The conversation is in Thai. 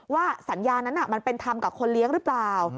ว่าสัญญานั้นมันเป็นธรรมกับคนเลี้ยงหรือเปล่า